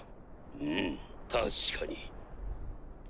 うむ確かに。